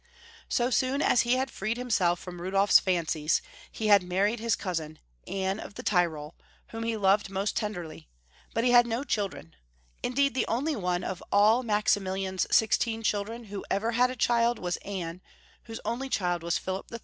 So soon as he had freed himself from Rudolfs fancies, he had married his cousin, Anne of the Tyrol, whom he loved most tenderly, but he had no children — indeed the only one of all Maximilian's sixteen children who ever had a child was Anne, whose only child was Pliilip III.